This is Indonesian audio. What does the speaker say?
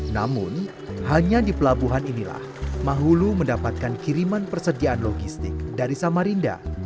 namun hanya di pelabuhan inilah mahulu mendapatkan kiriman persediaan logistik dari samarinda